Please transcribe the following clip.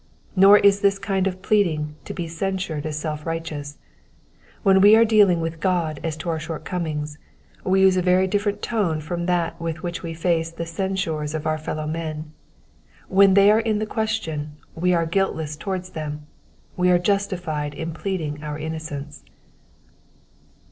Nor is this kind of pleading to be censured as self righteous : when we are dealing with God as to our shortcomings, we use a very different tone from that with which we face the censures of our fellow men ; when they are in the question, and we are guiltless towards them, we are justified in pleading our innocence.